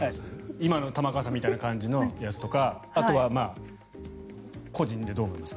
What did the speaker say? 今の玉川さんみたいな感じのやつとかあとは個人でどう思います？